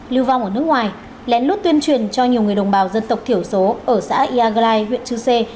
lưu vong ở nước ngoài lén lút tuyên truyền cho nhiều người đồng bào dân tộc thiểu số ở xã iagrai huyện chư sê